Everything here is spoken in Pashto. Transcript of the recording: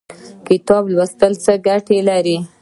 کتاب لوستل څه ګټه لري؟